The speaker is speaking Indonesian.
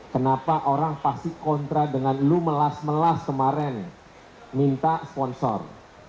kenapa orang pasti kontra dengan lu melas melas kemarin minta sponsor